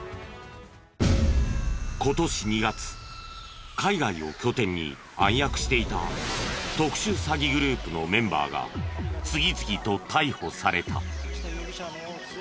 今年２月海外を拠点に暗躍していた特殊詐欺グループのメンバーが次々と逮捕された。